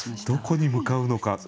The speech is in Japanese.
どこに向かうのか。